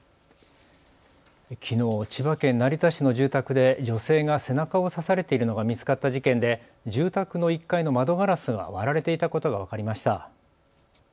きのう千葉県成田市の住宅で女性が背中を刺されているのが見つかった事件で住宅の１階の窓ガラスが割られていたことが分かりました。